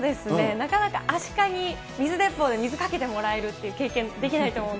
なかなかアシカに水鉄砲で水かけてもらえるっていう経験できない